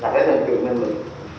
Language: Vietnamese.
là phải dành cường năng lực